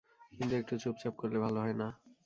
কিন্তু একটু চুপচাপ করলে ভালো হয় না?